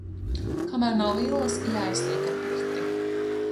Kamēr nav villas, jāiztiek ar pirti.